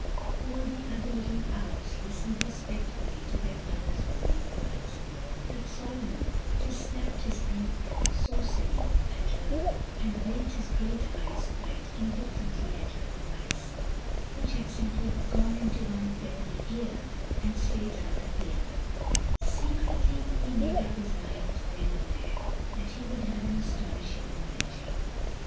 All the other little owls listened respectfully to their mother's warning words, but Solomon just snapped his beak saucily at her, and blinked his great eyes quite indifferently at her advice, which had simply gone into one feathery ear and straight out of the other; secretly, he made up his mind then and there, that he would have an astonishing adventure.